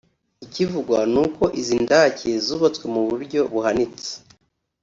Ikivugwa ni uko izi ndake zubatswe muburyo buhanitse